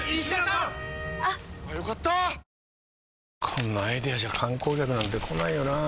こんなアイデアじゃ観光客なんて来ないよなあ